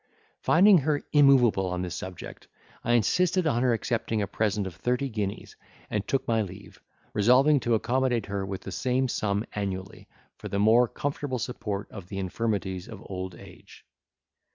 Finding her immovable on this subject, I insisted on her accepting a present of thirty guineas, and took my leave, resolving to accommodate her with the same sum annually, for the more comfortable support of the infirmities of old age.